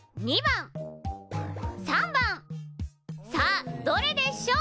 さあどれでしょう？